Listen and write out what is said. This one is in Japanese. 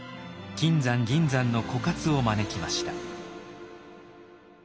金山銀山の枯渇を招きました。